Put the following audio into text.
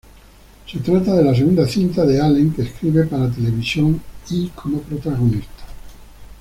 Se trata de la segunda cinta que Allen escribe para televisión y como protagonista.